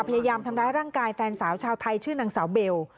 พยายามทำร้ายร่างกายแฟนสาวชาวไทยชื่อนางสาวเบล